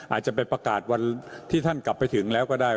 อาจจะไปประกาศวันที่ท่านกลับไปถึงแล้วก็ได้